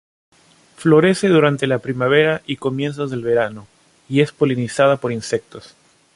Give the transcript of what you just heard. Florece durante la primavera y comienzos del verano, y es polinizada por insectos.